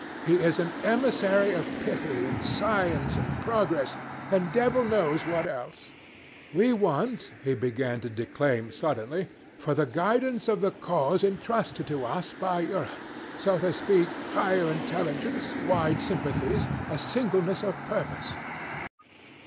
'He is an emissary of pity, and science, and progress, and devil knows what else. We want,' he began to declaim suddenly, 'for the guidance of the cause intrusted to us by Europe, so to speak, higher intelligence, wide sympathies, a singleness of purpose.'